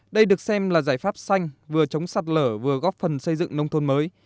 đây được xem là giải pháp xanh vừa chống sạt lở vừa góp phần xây dựng nông thôn mới